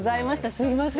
すみません。